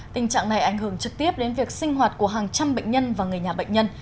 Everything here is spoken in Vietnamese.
tình trạng này ảnh hưởng trực tiếp đến việc sinh hoạt của hàng trăm bệnh nhân và người nhà bệnh nhân